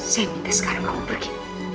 saya minta sekarang kamu pergi